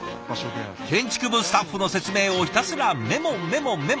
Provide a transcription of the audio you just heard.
建築部スタッフの説明をひたすらメモメモメモ。